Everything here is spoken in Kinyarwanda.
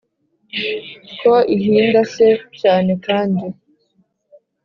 Ko ihinda se cyane kandi